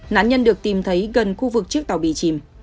nạn nhân được tìm thấy gần khu vực chiếc tàu bị chìm